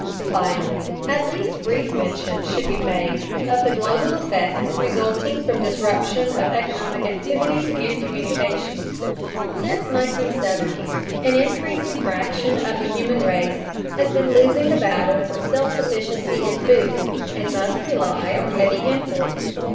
Finally, at least brief mention should be made of the global effects resulting from disruption of economic activities and communications. Since 1970, an increasing fraction of the human race has been losing the battle for self sufficiency in food, and must rely on heavy imports.